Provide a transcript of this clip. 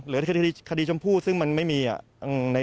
คดีชมพู่ซึ่งมันไม่มีอ่ะ